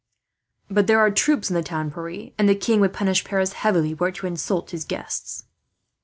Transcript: "But there are troops in the town, Pierre, and the king would punish Paris heavily, were it to insult his guests."